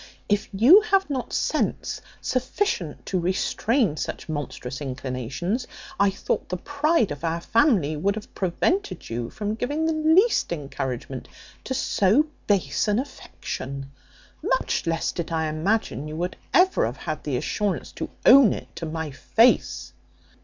If you have not sense sufficient to restrain such monstrous inclinations, I thought the pride of our family would have prevented you from giving the least encouragement to so base an affection; much less did I imagine you would ever have had the assurance to own it to my face."